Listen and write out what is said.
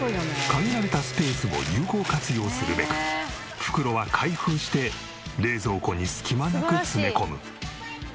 限られたスペースを有効活用するべく袋は開封して冷蔵庫に隙間なく詰め込む。